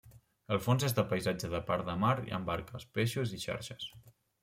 El fons és de paisatge de part de mar amb barques, peixos i xarxes.